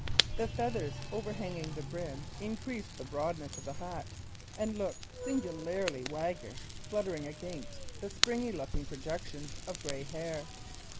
The feathers overhanging the brim increased the broadness of the hat, and looked singularly waggish fluttering against the spriggy looking projections of gray hair.